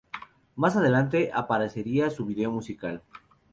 Más adelante, aparecería su vídeo musical.